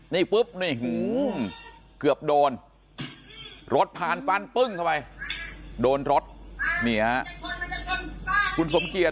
นี่ปึ๊บนี่หนึ่งอะเกือบโดนรถผ่านบรรตึ่งเลยต้องรถเหนียวคุณสมเคลียส